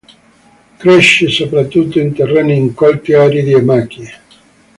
Cresce soprattutto in terreni incolti aridi e macchie.